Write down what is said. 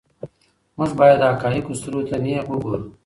موږ باید د حقایقو سترګو ته نیغ وګورو.